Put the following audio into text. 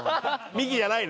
ミキじゃない。